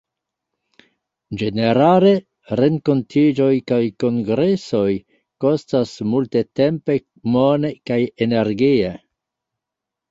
Ĝenerale, renkontiĝoj kaj kongresoj kostas multe tempe, mone, kaj energie.